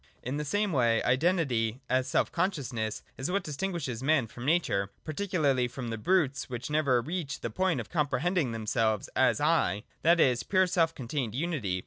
In the same way, Identity, as self consciousness, is what distinguishes man from nature, particularly from the brutes which never reach the point of comprehending themselves as ' I,' that is, pure self contained unity.